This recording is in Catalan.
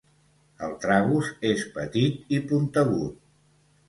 El tragus és petit i puntegut.